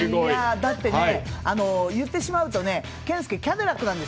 だって、言ってしまうと健介、キャデラックなんです。